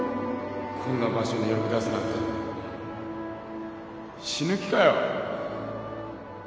こんな場所に呼び出すなんて死ぬ気かよ？